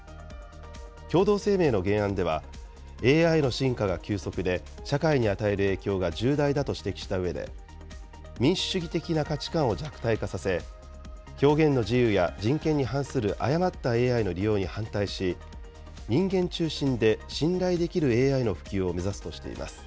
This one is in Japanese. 共同声明の原案では、ＡＩの進化が急速で、社会に与える影響が重大だと指摘したうえで、民主主義的な価値観を弱体化させ、表現の自由や人権に反する誤ったＡＩの利用に反対し、人間中心で信頼できるＡＩの普及を目指すとしています。